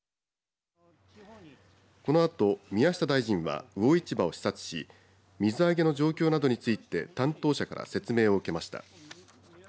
このあと宮下大臣は魚市場を視察し水揚げの状況などについて担当者から説明を受けました。